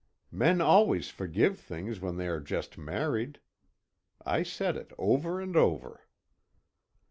Men always forgive things when they are just married!" I said it over and over.